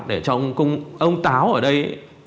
để ông táo ở đây